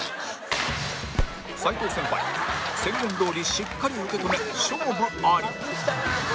斉藤先輩宣言どおりしっかり受け止め勝負あり